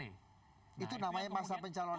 itu namanya masa pencalonan